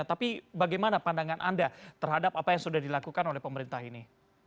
tapi bagaimana pandangan anda terhadap apa yang sudah dilakukan oleh pemerintah ini